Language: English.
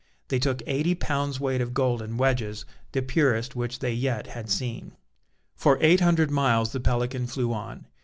They took eighty pounds' weight of gold in wedges, the purest which they yet had seen. For eight hundred miles the Pelican flew on.